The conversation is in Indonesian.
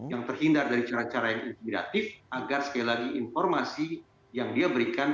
yang terhindar dari cara cara yang intimidatif agar sekali lagi informasi yang dia berikan